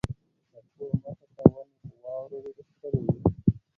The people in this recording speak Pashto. د کور مخې ته ونې په واورو ډېرې ښکلې وې.